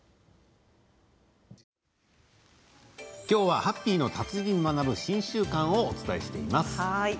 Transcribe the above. きょうはハッピーの達人に学ぶ新習慣をお伝えしています。